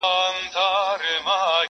او د ځان سره جنګېږي تل,